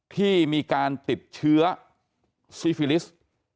ที่มีการติดเชื้อซีฟิลิสต์